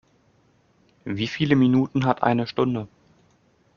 Wie viele Minuten hat eine Stunde?